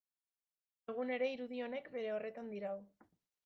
Egun ere irudi honek bere horretan dirau.